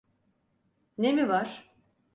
Ne mi var?